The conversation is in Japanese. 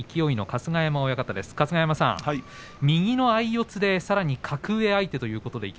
春日山さん右の相四つでさらに格上の相手です。